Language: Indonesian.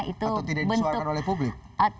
atau tidak disuarakan oleh publik